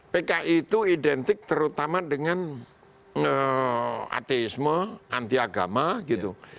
pki itu identik terutama dengan ateisme antiagama gitu